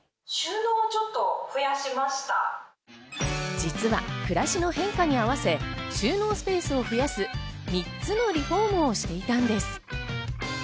実は暮らしの変化に合わせ収納スペースを増やす３つのリフォームをしていたんです。